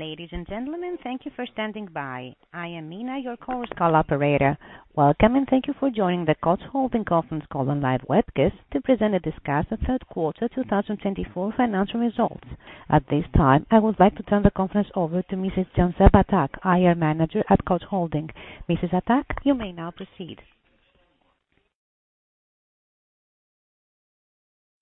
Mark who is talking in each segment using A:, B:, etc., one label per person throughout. A: Ladies and gentlemen, thank you for standing by. I am Mina, your Koç Operator. Welcome, and thank you for joining the Koç Holding Conference call on live webcast to present a discussion of third quarter 2024 financial results. At this time, I would like to turn the conference over to Mrs. Cansın Batak, IR Manager at Koç Holding. Mrs. Batak, you may now proceed.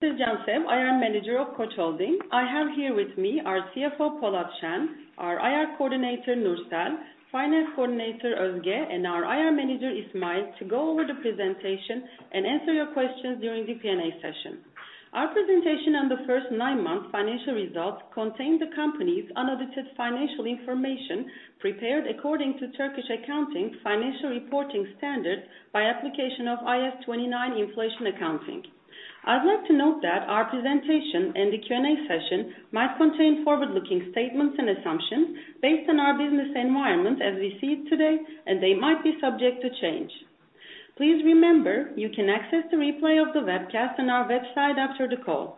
B: Cansın Batak, IR Manager of Koç Holding. I have here with me our CFO, Polat Şen, our IR Coordinator, Nursel, Finance Coordinator, Özge, and our IR Manager, İsmail, to go over the presentation and answer your questions during the Q&A session. Our presentation on the first nine months' financial results contains the company's unedited financial information prepared according to Turkish accounting financial reporting standards by application of IAS 29 inflation accounting. I'd like to note that our presentation and the Q&A session might contain forward-looking statements and assumptions based on our business environment as we see it today, and they might be subject to change. Please remember, you can access the replay of the webcast on our website after the call.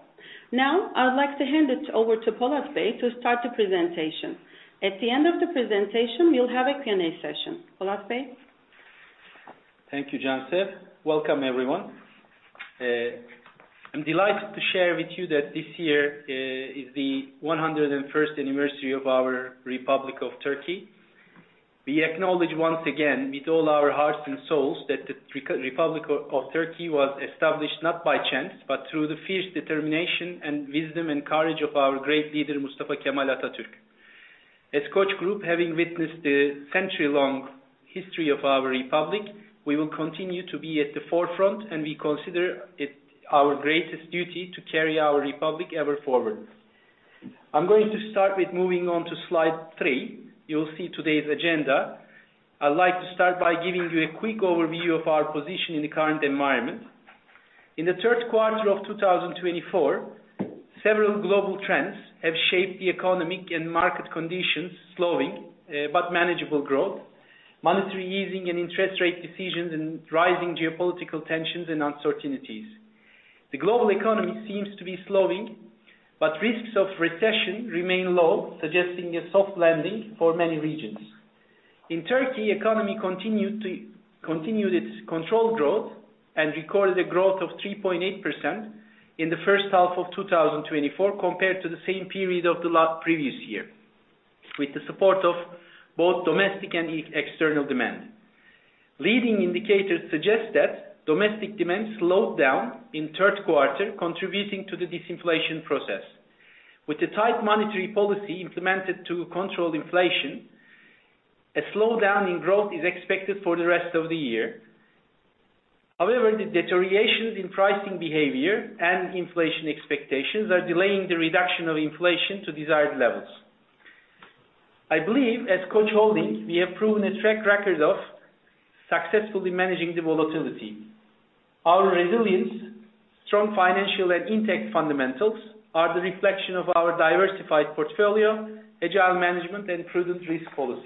B: Now, I'd like to hand it over to Polat Bey to start the presentation. At the end of the presentation, we'll have a Q&A session. Polat Bey?
C: Thank you, Cansın. Welcome, everyone. I'm delighted to share with you that this year is the 101st anniversary of our Republic of Turkey. We acknowledge once again, with all our hearts and souls, that the Republic of Turkey was established not by chance, but through the fierce determination and wisdom and courage of our great leader, Mustafa Kemal Atatürk. As Koç Group, having witnessed the century-long history of our Republic, we will continue to be at the forefront, and we consider it our greatest duty to carry our Republic ever forward. I'm going to start with moving on to slide three. You'll see today's agenda. I'd like to start by giving you a quick overview of our position in the current environment. In the third quarter of 2024, several global trends have shaped the economic and market conditions, slowing but manageable growth, monetary easing and interest rate decisions, and rising geopolitical tensions and uncertainties. The global economy seems to be slowing, but risks of recession remain low, suggesting a soft landing for many regions. In Turkey, the economy continued its controlled growth and recorded a growth of 3.8% in the first half of 2024 compared to the same period of the previous year, with the support of both domestic and external demand. Leading indicators suggest that domestic demand slowed down in the third quarter, contributing to the disinflation process. With the tight monetary policy implemented to control inflation, a slowdown in growth is expected for the rest of the year. However, the deteriorations in pricing behavior and inflation expectations are delaying the reduction of inflation to desired levels. I believe, as Koç Holding, we have proven a track record of successfully managing the volatility. Our resilience, strong financials, and intact fundamentals are the reflection of our diversified portfolio, agile management, and prudent risk policies.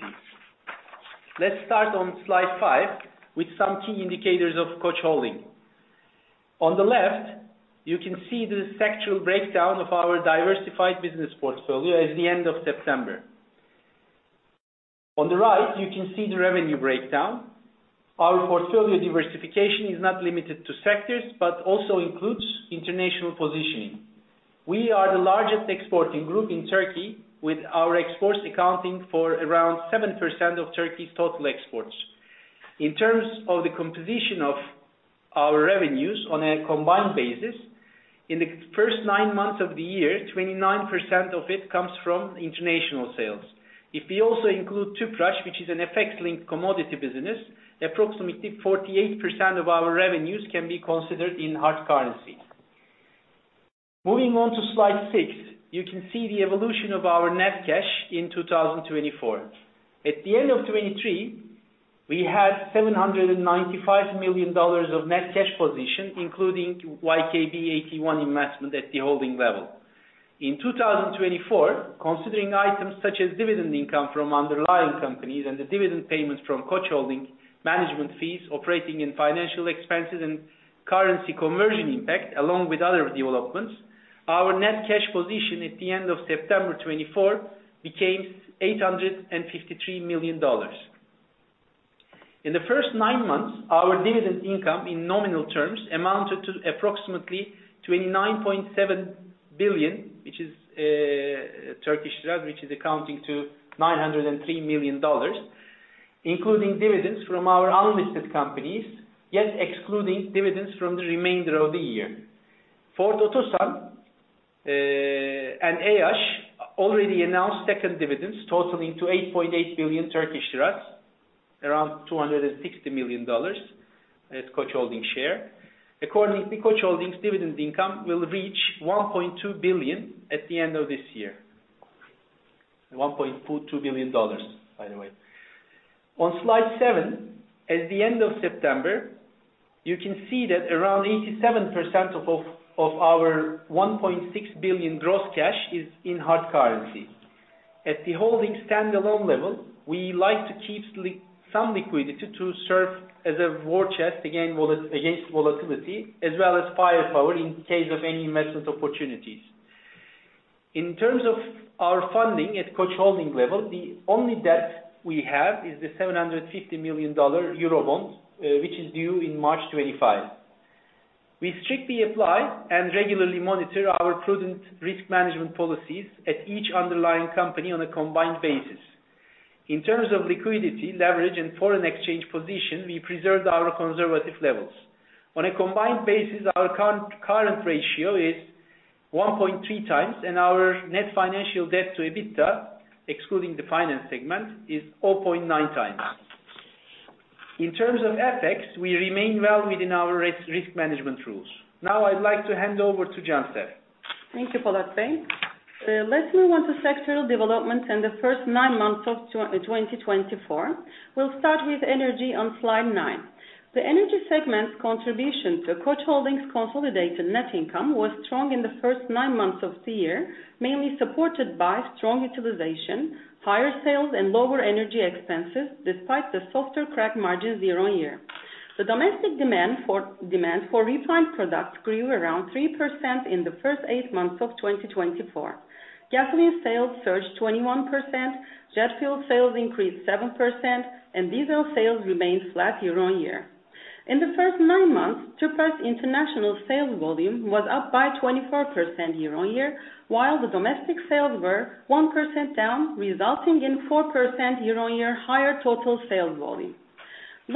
C: Let's start on slide five with some key indicators of Koç Holding. On the left, you can see the sectoral breakdown of our diversified business portfolio as of the end of September. On the right, you can see the revenue breakdown. Our portfolio diversification is not limited to sectors but also includes international positioning. We are the largest exporting group in Turkey, with our exports accounting for around 7% of Turkey's total exports. In terms of the composition of our revenues on a combined basis, in the first nine months of the year, 29% of it comes from international sales. If we also include Tüpraş, which is an FX-linked commodity business, approximately 48% of our revenues can be considered in hard currency. Moving on to slide six, you can see the evolution of our net cash in 2024. At the end of 2023, we had $795 million of net cash position, including YKB AT1 investment at the holding level. In 2024, considering items such as dividend income from underlying companies and the dividend payments from Koç Holding, management fees, operating and financial expenses, and currency conversion impact, along with other developments, our net cash position at the end of September 2024 became $853 million. In the first nine months, our dividend income, in nominal terms, amounted to approximately 29.7 billion Turkish lira, amounting to $903 million, including dividends from our unlisted companies, yet excluding dividends from the remainder of the year. Ford Otosan and Tüpraş already announced second dividends, totaling 8.8 billion Turkish lira, around $260 million as Koç Holding share. Accordingly, Koç Holding's dividend income will reach 1.2 billion at the end of this year, $1.2 billion, by the way. On slide seven, at the end of September, you can see that around 87% of our 1.6 billion gross cash is in hard currency. At the holding standalone level, we like to keep some liquidity to serve as a war chest, again, against volatility, as well as firepower in case of any investment opportunities. In terms of our funding at Koç Holding level, the only debt we have is the $750 million Eurobond, which is due in March 2025. We strictly apply and regularly monitor our prudent risk management policies at each underlying company on a combined basis. In terms of liquidity, leverage, and foreign exchange position, we preserved our conservative levels. On a combined basis, our current ratio is 1.3x, and our net financial debt to EBITDA, excluding the finance segment, is 0.9x. In terms of FX, we remain well within our risk management rules. Now, I'd like to hand over to Cansın.
B: Thank you, Polat Bey. Let's move on to sectoral developments in the first nine months of 2024. We'll start with energy on slide nine. The energy segment's contribution to Koç Holding's consolidated net income was strong in the first nine months of the year, mainly supported by strong utilization, higher sales, and lower energy expenses, despite the softer crack margin year-over-year. The domestic demand for refined products grew around 3% in the first eight months of 2024. Gasoline sales surged 21%, jet fuel sales increased 7%, and diesel sales remained flat year-on-year. In the first nine months, Tüpraş's international sales volume was up by 24% year-on- year, while the domestic sales were 1% down, resulting in 4% year-on-year higher total sales volume.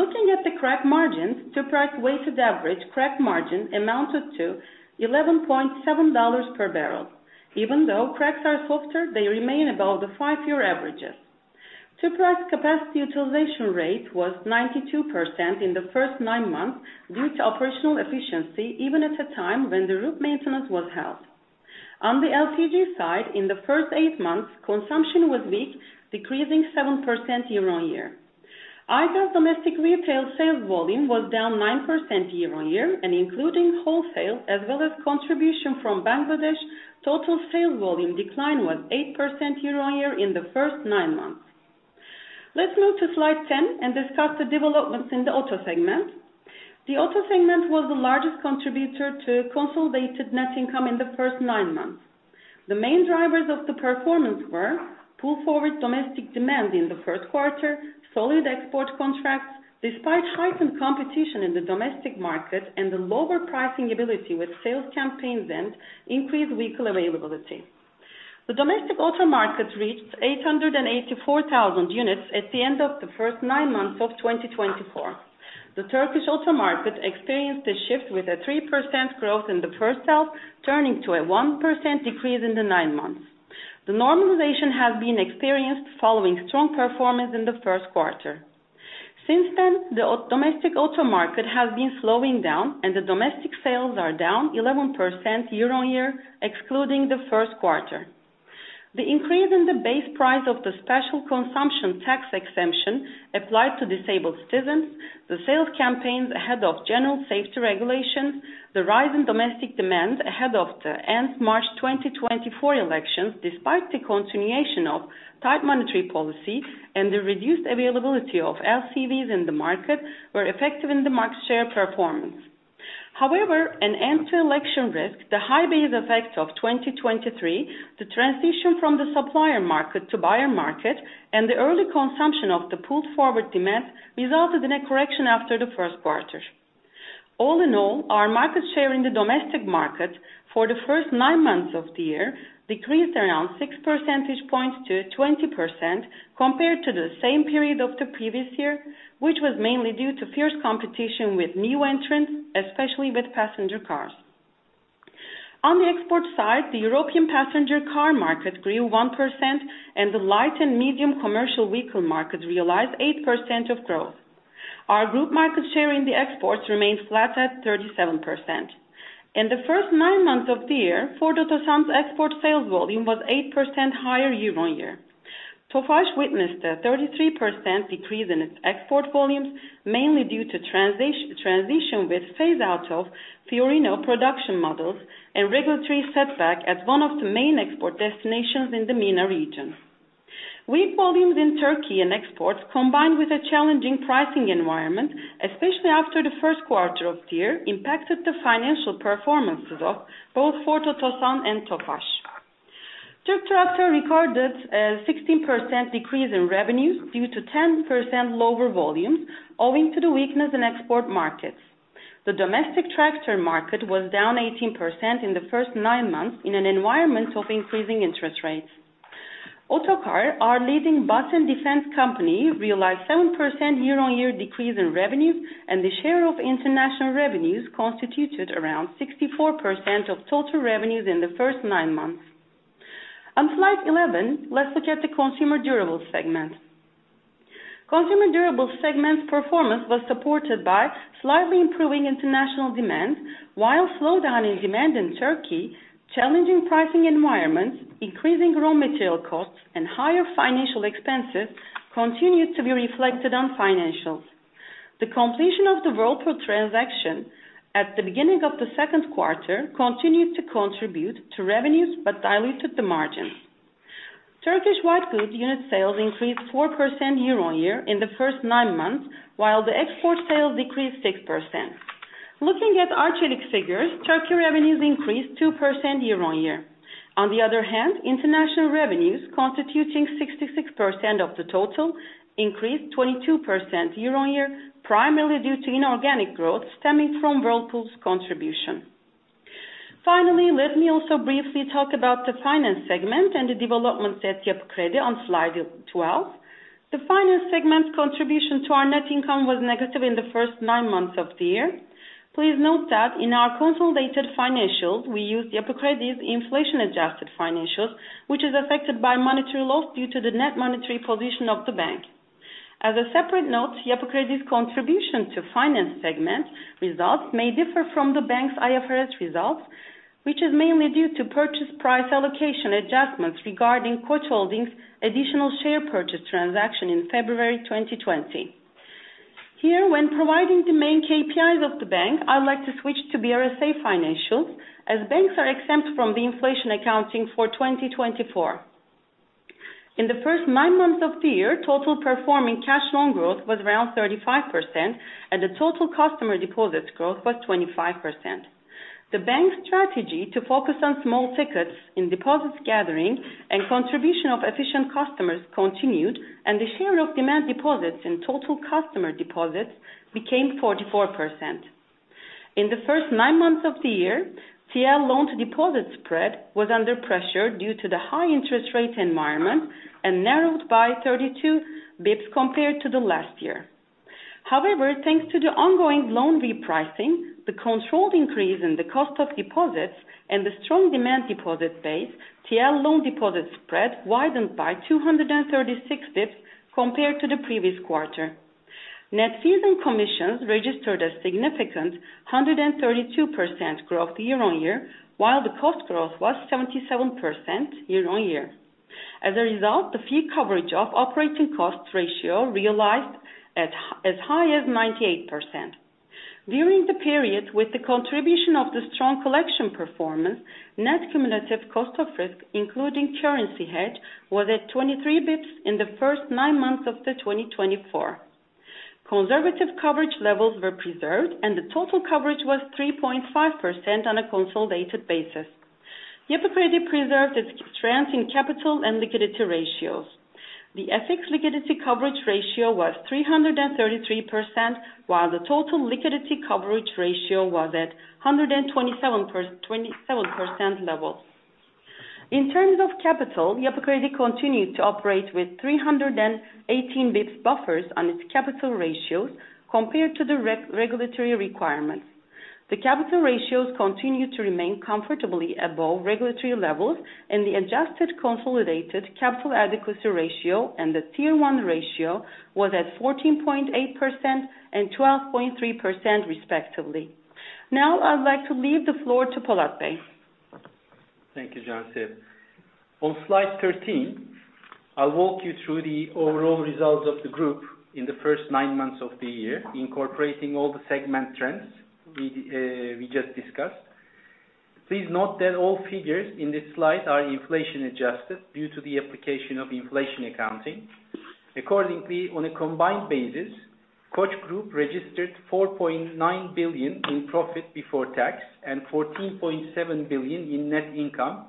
B: Looking at the crack margins, Tüpraş's weighted average crack margin amounted to $11.7 per barrel. Even though cracks are softer, they remain above the five-year averages. Tüpraş's capacity utilization rate was 92% in the first nine months due to operational efficiency, even at a time when the refinery maintenance was held. On the LPG side, in the first eight months, consumption was weak, decreasing 7% year-on -ear. Aygaz's domestic retail sales volume was down 9% year-on-year, and including wholesale as well as contribution from Bangladesh, total sales volume decline was 8% year-on year in the first nine months. Let's move to slide 10 and discuss the developments in the auto segment. The auto segment was the largest contributor to consolidated net income in the first nine months. The main drivers of the performance were pull-forward domestic demand in the first quarter, solid export contracts, despite heightened competition in the domestic market and the lower pricing ability with sales campaigns and increased vehicle availability. The domestic auto market reached 884,000 units at the end of the first nine months of 2024. The Turkish auto market experienced a shift with a 3% growth in the first half, turning to a 1% decrease in the nine months. The normalization has been experienced following strong performance in the first quarter. Since then, the domestic auto market has been slowing down, and the domestic sales are down 11% year-on-year, excluding the first quarter. The increase in the base price of the Special Consumption Tax exemption applied to disabled citizens, the sales campaigns ahead of general safety regulations, the rise in domestic demand ahead of the end March 2024 elections, despite the continuation of tight monetary policy and the reduced availability of LCVs in the market, were effective in the market share performance. However, an end-to-election risk, the high base effect of 2023, the transition from the supplier market to buyer market, and the early consumption of the pull-forward demand resulted in a correction after the first quarter. All in all, our market share in the domestic market for the first nine months of the year decreased around 6 percentage points to 20% compared to the same period of the previous year, which was mainly due to fierce competition with new entrants, especially with passenger cars. On the export side, the European passenger car market grew 1%, and the light and medium commercial vehicle market realized 8% of growth. Our group market share in the exports remained flat at 37%. In the first nine months of the year, Ford Otosan's export sales volume was 8% higher year-on year. Tofaş witnessed a 33% decrease in its export volumes, mainly due to transition with phase-out of Fiorino production models and regulatory setback at one of the main export destinations in the MENA region. Weak volumes in Turkey and exports, combined with a challenging pricing environment, especially after the first quarter of the year, impacted the financial performances of both Ford Otosan and Tofaş. TürkTraktör recorded a 16% decrease in revenues due to 10% lower volumes, owing to the weakness in export markets. The domestic tractor market was down 18% in the first nine months in an environment of increasing interest rates. Otokar, our leading bus and defense company, realized a 7% year-on-year decrease in revenues, and the share of international revenues constituted around 64% of total revenues in the first nine months. On slide 11, let's look at the consumer durable segment. Consumer durable segment's performance was supported by slightly improving international demand, while slowdown in demand in Turkey, challenging pricing environments, increasing raw material costs, and higher financial expenses continued to be reflected on financials. The completion of the Whirlpool transaction at the beginning of the second quarter continued to contribute to revenues but diluted the margins. Turkish white goods unit sales increased 4% year-on-year in the first nine months, while the export sales decreased 6%. Looking at Arçelik figures, Turkey revenues increased 2% year-on-year. On the other hand, international revenues, constituting 66% of the total, increased 22% year-on-year, primarily due to inorganic growth stemming from Whirlpool's contribution. Finally, let me also briefly talk about the finance segment and the developments at Yapı Kredi on slide 12. The finance segment's contribution to our net income was negative in the first nine months of the year. Please note that in our consolidated financials, we used Yapı Kredi's inflation-adjusted financials, which is affected by monetary loss due to the net monetary position of the bank. As a separate note, Yapı Kredi's contribution to finance segment results may differ from the bank's IFRS results, which is mainly due to purchase price allocation adjustments regarding Koç Holding's additional share purchase transaction in February 2020. Here, when providing the main KPIs of the bank, I'd like to switch to BRSA financials, as banks are exempt from the inflation accounting for 2024. In the first nine months of the year, total performing cash loan growth was around 35%, and the total customer deposits growth was 25%. The bank's strategy to focus on small tickets in deposits gathering and contribution of efficient customers continued, and the share of demand deposits in total customer deposits became 44%. In the first nine months of the year, TL loan to deposit spread was under pressure due to the high interest rate environment and narrowed by 32 basis points compared to the last year. However, thanks to the ongoing loan repricing, the controlled increase in the cost of deposits, and the strong demand deposit base, TL loan deposit spread widened by 236 basis points compared to the previous quarter. Net fees and commissions registered a significant 132% growth year-on-year, while the cost growth was 77% year-on-year. As a result, the fee coverage of operating cost ratio realized as high as 98%. During the period with the contribution of the strong collection performance, net cumulative cost of risk, including currency hedge, was at 23 basis points in the first nine months of 2024. Conservative coverage levels were preserved, and the total coverage was 3.5% on a consolidated basis. Yapı Kredi preserved its strength in capital and liquidity ratios. The FX liquidity coverage ratio was 333%, while the total liquidity coverage ratio was at 127% levels. In terms of capital, Yapı Kredi continued to operate with 318 basis points buffers on its capital ratios compared to the regulatory requirements. The capital ratios continued to remain comfortably above regulatory levels, and the adjusted consolidated Capital Adequacy Ratio and the Tier One ratio was at 14.8% and 12.3%, respectively. Now, I'd like to leave the floor to Polat Bey.
C: Thank you, Cansın. On slide 13, I'll walk you through the overall results of the group in the first nine months of the year, incorporating all the segment trends we just discussed. Please note that all figures in this slide are inflation-adjusted due to the application of inflation accounting. Accordingly, on a combined basis, Koç Group registered 4.9 billion in profit before tax and 14.7 billion in net income.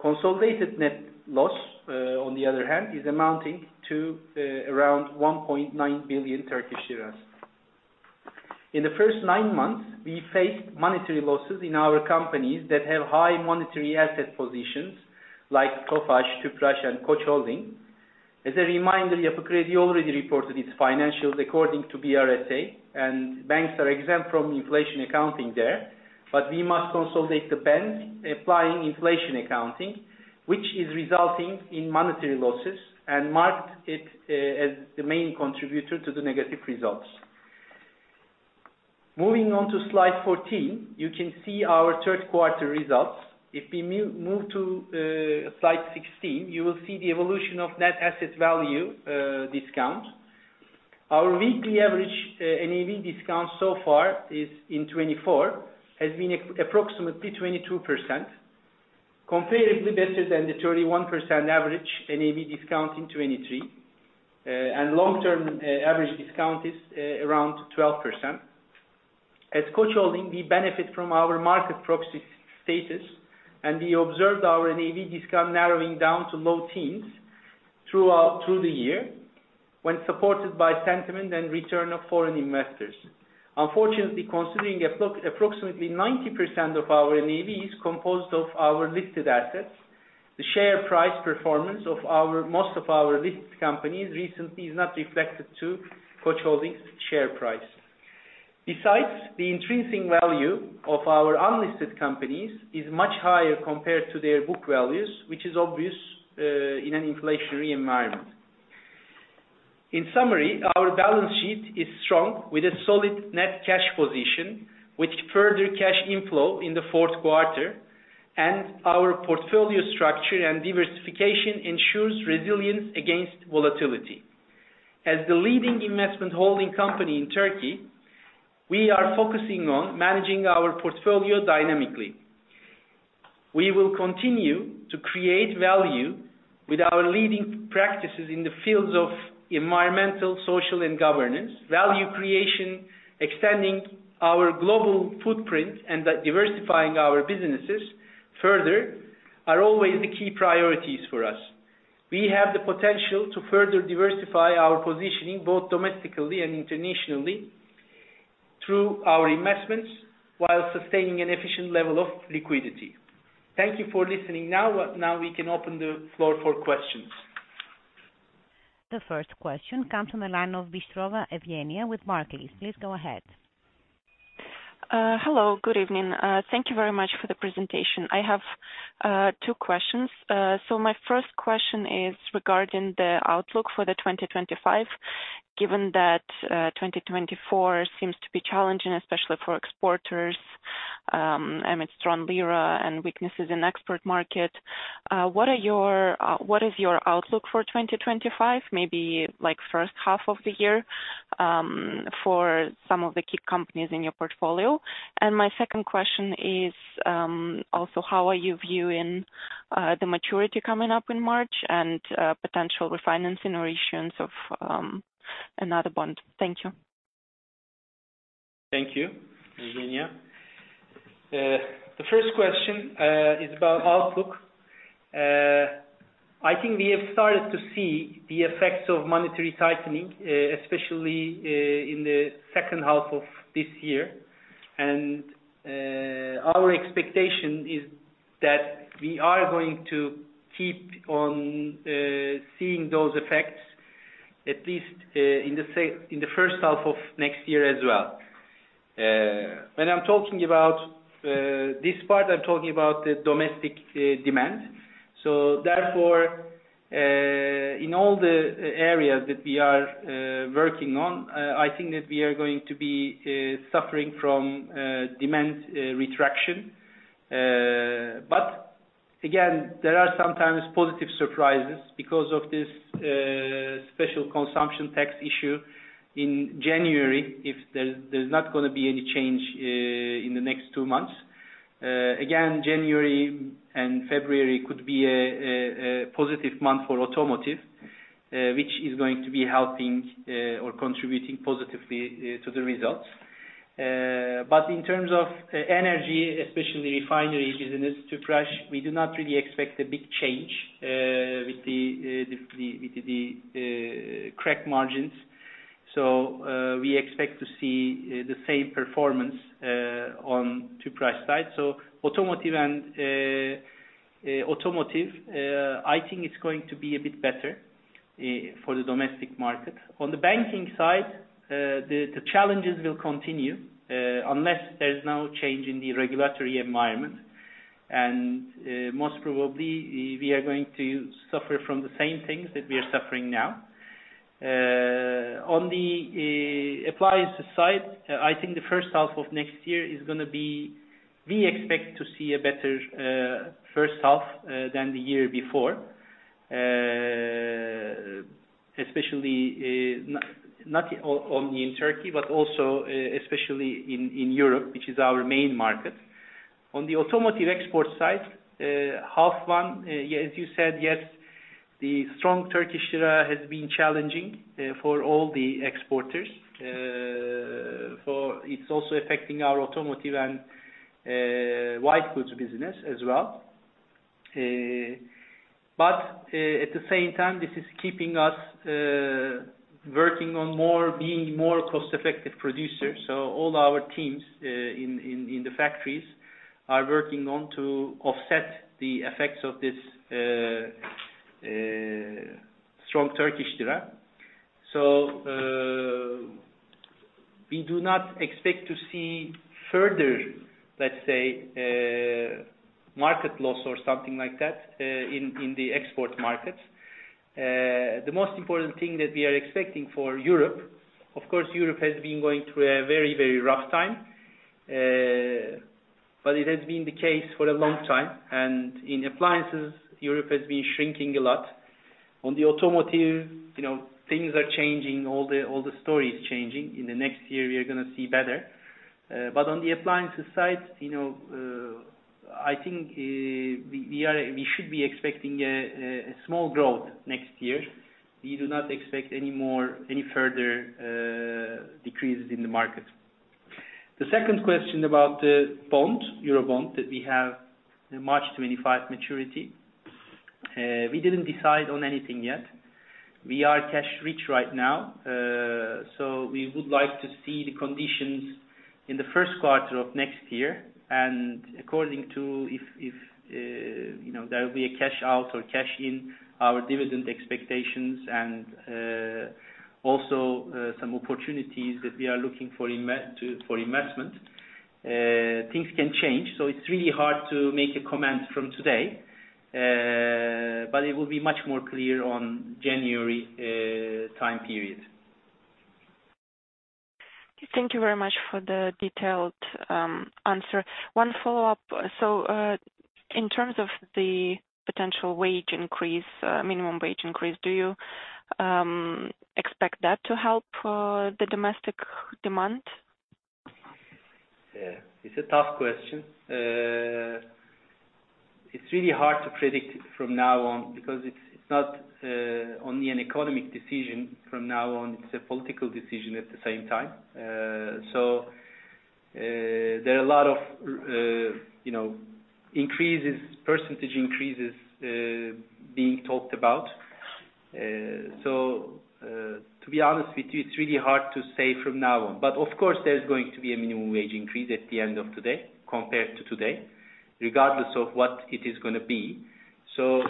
C: Consolidated net loss, on the other hand, is amounting to around 1.9 billion Turkish lira. In the first nine months, we faced monetary losses in our companies that have high monetary asset positions, like Tofaş, Tüpraş, and Koç Holding. As a reminder, Yapı Kredi already reported its financials according to BRSA, and banks are exempt from inflation accounting there, but we must consolidate the bank applying inflation accounting, which is resulting in monetary losses and marked it as the main contributor to the negative results. Moving on to slide 14, you can see our third quarter results. If we move to slide 16, you will see the evolution of net asset value discounts. Our weekly average NAV discount so far in 2024 has been approximately 22%, comparatively better than the 31% average NAV discount in 2023, and long-term average discount is around 12%. As Koç Holding, we benefit from our market proxy status, and we observed our NAV discount narrowing down to low teens throughout the year, when supported by sentiment and return of foreign investors. Unfortunately, considering approximately 90% of our NAV is composed of our listed assets, the share price performance of most of our listed companies recently is not reflected to Koç Holding's share price. Besides, the intrinsic value of our unlisted companies is much higher compared to their book values, which is obvious in an inflationary environment. In summary, our balance sheet is strong with a solid net cash position, which furthered cash inflow in the fourth quarter, and our portfolio structure and diversification ensures resilience against volatility. As the leading investment holding company in Turkey, we are focusing on managing our portfolio dynamically. We will continue to create value with our leading practices in the fields of environmental, social, and governance. Value creation, extending our global footprint, and diversifying our businesses further are always the key priorities for us. We have the potential to further diversify our positioning both domestically and internationally through our investments while sustaining an efficient level of liquidity. Thank you for listening. Now we can open the floor for questions.
A: The first question comes from Elena Bystrova with Barclays. Please go ahead.
D: Hello, good evening. Thank you very much for the presentation. I have two questions. So my first question is regarding the outlook for 2025, given that 2024 seems to be challenging, especially for exporters amidst strong lira and weaknesses in the export market. What is your outlook for 2025, maybe first half of the year, for some of the key companies in your portfolio? And my second question is also, how are you viewing the maturity coming up in March and potential refinancing or issues of another bond? Thank you.
C: Thank you, Elena. The first question is about outlook. I think we have started to see the effects of monetary tightening, especially in the second half of this year. And our expectation is that we are going to keep on seeing those effects, at least in the first half of next year as well. When I'm talking about this part, I'm talking about the domestic demand. So therefore, in all the areas that we are working on, I think that we are going to be suffering from demand retraction. But again, there are sometimes positive surprises because of this Special Consumption Tax issue in January. If there's not going to be any change in the next two months, again, January and February could be a positive month for automotive, which is going to be helping or contributing positively to the results. But in terms of energy, especially refinery business, Tüpraş, we do not really expect a big change with the crack margins. So we expect to see the same performance on Tüpraş side. So automotive, I think it's going to be a bit better for the domestic market. On the banking side, the challenges will continue unless there's no change in the regulatory environment. And most probably, we are going to suffer from the same things that we are suffering now. On the appliances side, I think the first half of next year is going to be we expect to see a better first half than the year before, especially not only in Turkey, but also especially in Europe, which is our main market. On the automotive export side, half one, as you said, yes, the strong Turkish lira has been challenging for all the exporters. It's also affecting our automotive and white goods business as well. But at the same time, this is keeping us working on being more cost-effective producers. So all our teams in the factories are working on to offset the effects of this strong Turkish lira. So we do not expect to see further, let's say, market loss or something like that in the export markets. The most important thing that we are expecting for Europe, of course, Europe has been going through a very, very rough time, but it has been the case for a long time, and in appliances, Europe has been shrinking a lot. On the automotive, things are changing. All the story is changing. In the next year, we are going to see better, but on the appliances side, I think we should be expecting a small growth next year. We do not expect any further decreases in the market. The second question about the bond, Eurobond, that we have March 2025 maturity, we didn't decide on anything yet. We are cash-rich right now. So we would like to see the conditions in the first quarter of next year. And according to if there will be a cash-out or cash-in, our dividend expectations, and also some opportunities that we are looking for investment, things can change. So it's really hard to make a comment from today, but it will be much more clear on the January time period.
D: Thank you very much for the detailed answer. One follow-up. So in terms of the potential wage increase, minimum wage increase, do you expect that to help the domestic demand?
C: Yeah. It's a tough question. It's really hard to predict from now on because it's not only an economic decision from now on. It's a political decision at the same time. So there are a lot of increases, percentage increases being talked about. So to be honest with you, it's really hard to say from now on. But of course, there's going to be a minimum wage increase at the end of today compared to today, regardless of what it is going to be. So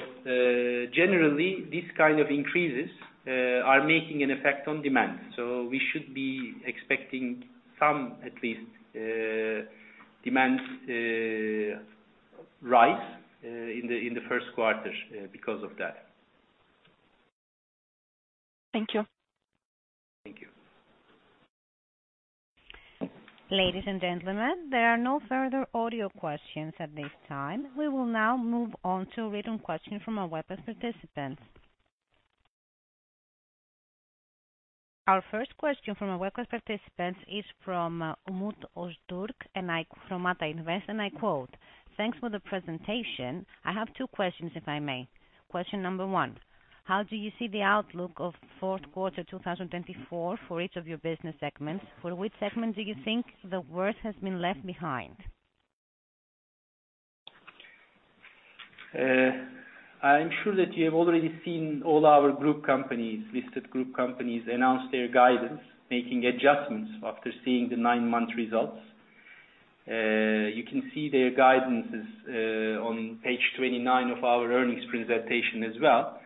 C: generally, these kinds of increases are making an effect on demand. So we should be expecting some, at least, demand rise in the first quarter because of that.
D: Thank you.
C: Thank you.
A: Ladies and gentlemen, there are no further audio questions at this time. We will now move on to a written question from our webcast participants. Our first question from our webcast participants is from Umut Öztürk from Ata Invest. And I quote, "Thanks for the presentation. I have two questions, if I may." Question number one, how do you see the outlook of fourth quarter 2024 for each of your business segments? For which segment do you think the worst has been left behind?
C: I'm sure that you have already seen all our group companies, listed group companies, announce their guidance, making adjustments after seeing the nine-month results. You can see their guidances on page 29 of our earnings presentation as well.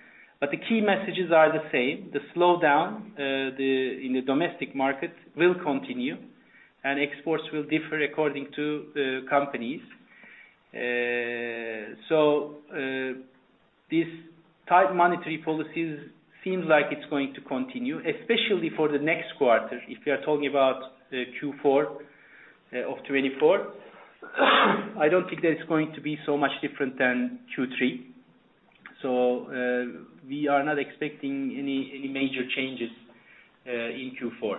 C: But the key messages are the same. The slowdown in the domestic market will continue, and exports will differ according to companies. So these tight monetary policies seem like it's going to continue, especially for the next quarter. If we are talking about Q4 of 2024, I don't think that it's going to be so much different than Q3. So we are not expecting any major changes in Q4.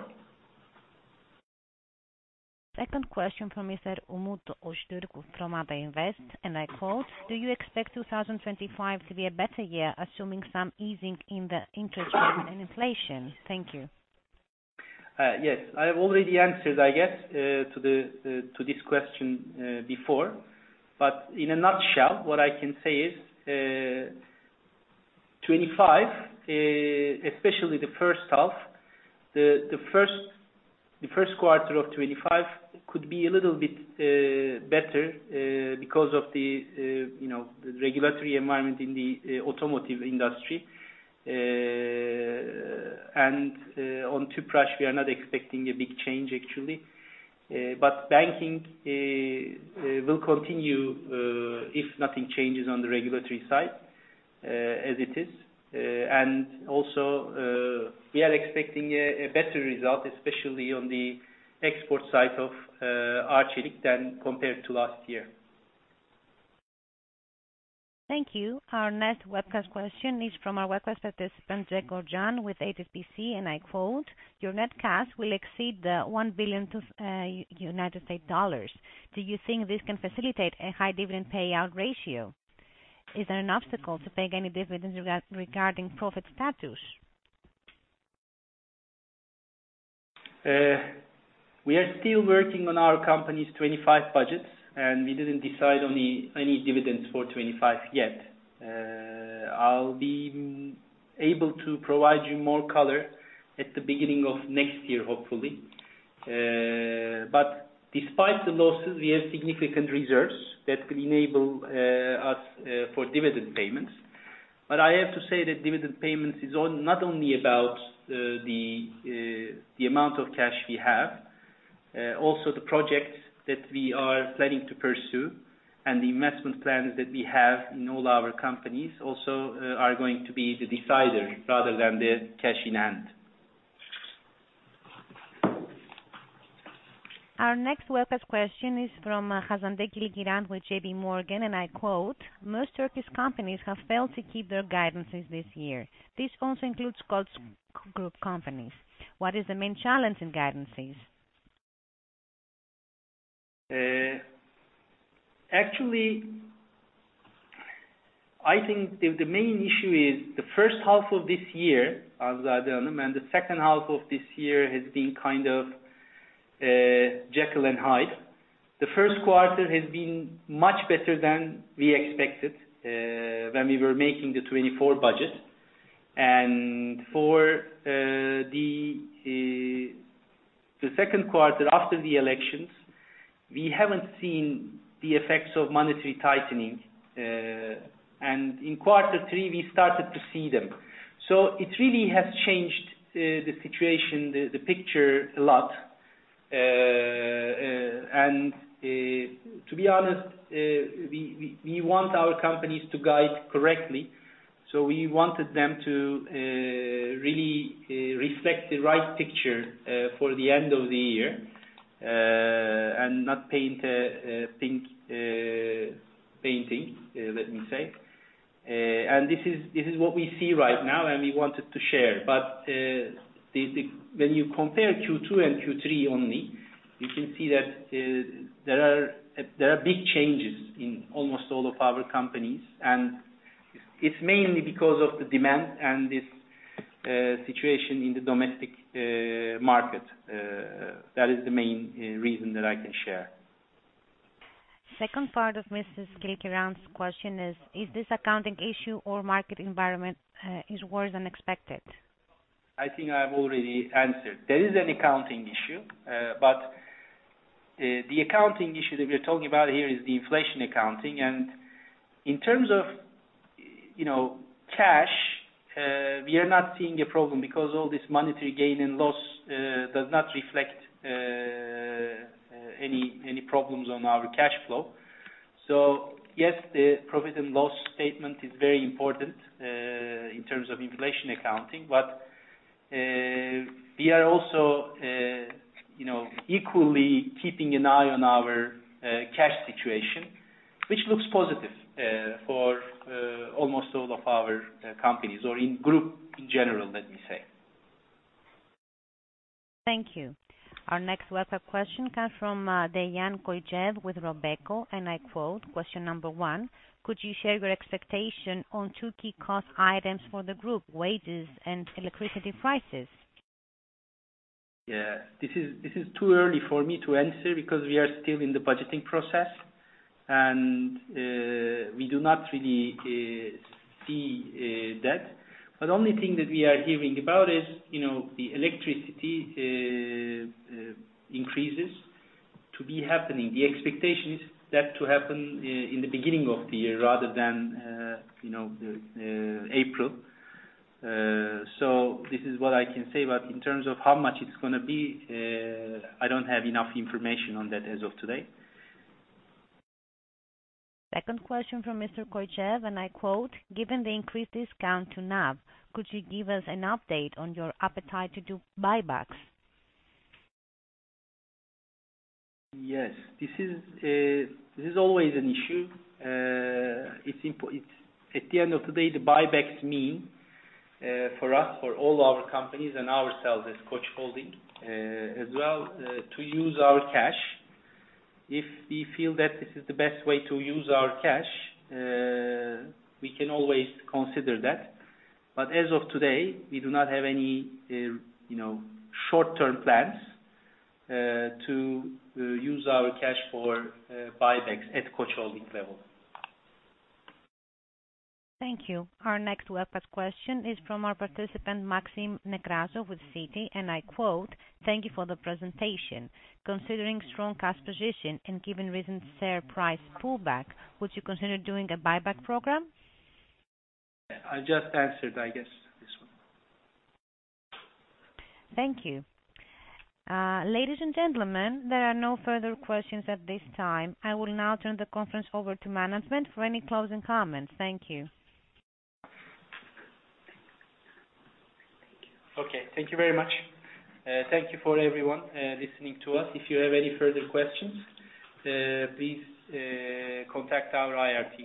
A: Second question from Mr. Umut Öztürk from Ata Invest. And I quote, "Do you expect 2025 to be a better year, assuming some easing in the interest rate and inflation?" Thank you.
C: Yes. I have already answered, I guess, to this question before. But in a nutshell, what I can say is 2025, especially the first half, the first quarter of 2025 could be a little bit better because of the regulatory environment in the automotive industry. And on Tüpraş, we are not expecting a big change, actually. But banking will continue if nothing changes on the regulatory side as it is. And also, we are expecting a better result, especially on the export side of Arçelik than compared to last year.
A: Thank you. Our next webcast question is from our webcast participant, Gregor Jan, with HSBC. And I quote, "Your net cash will exceed the $1 billion. Do you think this can facilitate a high dividend payout ratio? Is there an obstacle to paying any dividends regarding profit status?
C: We are still working on our company's 2025 budgets, and we didn't decide on any dividends for 2025 yet. I'll be able to provide you more color at the beginning of next year, hopefully. But despite the losses, we have significant reserves that will enable us for dividend payments. But I have to say that dividend payments is not only about the amount of cash we have, also the projects that we are planning to pursue and the investment plans that we have in all our companies also are going to be the decider rather than the cash in hand.
A: Our next webcast question is from Hanzade Kılıçkıran with J.P. Morgan, and I quote, "Most Turkish companies have failed to keep their guidances this year. This also includes group companies. What is the main challenge in guidances?
C: Actually, I think the main issue is the first half of this year, and the second half of this year has been kind of Jekyll and Hyde. The first quarter has been much better than we expected when we were making the 2024 budget. And for the second quarter after the elections, we haven't seen the effects of monetary tightening. And in quarter three, we started to see them. So it really has changed the situation, the picture a lot. And to be honest, we want our companies to guide correctly. So we wanted them to really reflect the right picture for the end of the year and not paint a pink painting, let me say. And this is what we see right now, and we wanted to share. But when you compare Q2 and Q3 only, you can see that there are big changes in almost all of our companies. And it's mainly because of the demand and this situation in the domestic market. That is the main reason that I can share.
A: Second part of Mrs. Kılıçkıran's question is, "Is this accounting issue or market environment worse than expected?
C: I think I've already answered. There is an accounting issue. But the accounting issue that we are talking about here is the inflation accounting. And in terms of cash, we are not seeing a problem because all this monetary gain and loss does not reflect any problems on our cash flow. So yes, the profit and loss statement is very important in terms of inflation accounting. But we are also equally keeping an eye on our cash situation, which looks positive for almost all of our companies or in group in general, let me say.
A: Thank you. Our next webcast question comes from Dejan Kocevski with Robeco. And I quote, "Question number one, could you share your expectation on two key cost items for the group, wages and electricity prices?
C: Yeah. This is too early for me to answer because we are still in the budgeting process. And we do not really see that. But the only thing that we are hearing about is the electricity increases to be happening. The expectation is that to happen in the beginning of the year rather than April. So this is what I can say. But in terms of how much it's going to be, I don't have enough information on that as of today.
A: Second question from Mr. Kocev. And I quote, "Given the increased discount to NAV, could you give us an update on your appetite to do buybacks?
C: Yes. This is always an issue. At the end of the day, the buybacks mean for us, for all our companies and ourselves, as Koç Holding as well, to use our cash. If we feel that this is the best way to use our cash, we can always consider that. But as of today, we do not have any short-term plans to use our cash for buybacks at Koç Holding level.
A: Thank you. Our next webcast question is from our participant, Maxime Negre with BNP Paribas Exane. And I quote, "Thank you for the presentation. Considering strong cash position and given recent share price pullback, would you consider doing a buyback program?
C: I just answered, I guess, this one.
A: Thank you. Ladies and gentlemen, there are no further questions at this time. I will now turn the conference over to management for any closing comments. Thank you.
B: Okay. Thank you very much. Thank you for everyone listening to us. If you have any further questions, please contact our IRT.